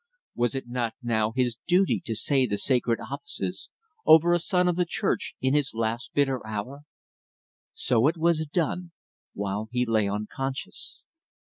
Was it not now his duty to say the sacred offices over a son of the Church in his last bitter hour? So it was done while he lay unconscious.